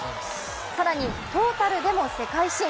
更にトータルでも世界新！